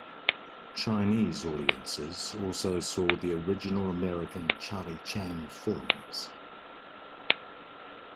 Chinese audiences also saw the original American Charlie Chan films.